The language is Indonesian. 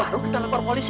baru kita lepor polisi